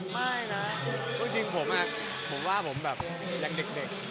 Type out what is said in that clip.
ไม่นะจริงผมอะผมว่าผมแบบอย่างเด็ก